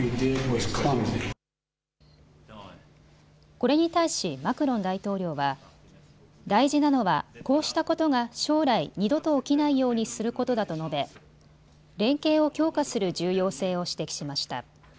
これに対しマクロン大統領は、大事なのはこうしたことが将来二度と起きないようにすることだと述べ連携を強化する重要性を指摘しました。